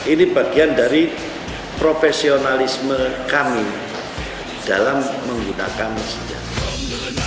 ini bagian dari profesionalisme kami dalam menggunakan senjata